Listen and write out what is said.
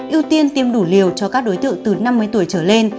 ưu tiên tiêm đủ liều cho các đối tượng từ năm mươi tuổi trở lên